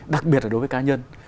đặc biệt là đối với cá nhân